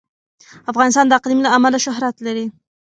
افغانستان د اقلیم له امله شهرت لري.